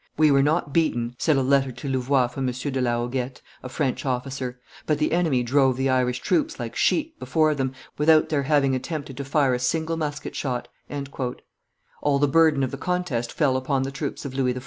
"We were not beaten," said a letter to Louvois from M. de la Hoguette, a French officer, "but the enemy drove the Irish troops, like sheep, before them, without their having attempted to fire a single musket shot." All the burden of the contest fell upon the troops of Louis XIV.